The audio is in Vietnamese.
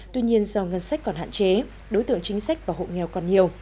tuy nhiên do ngân sách còn hạn chế đối tượng chính sách và hộ nghèo còn nhiều